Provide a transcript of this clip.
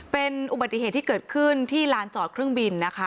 เป็นอุบัติเหตุที่เกิดขึ้นที่ลานจอดเครื่องบินนะคะ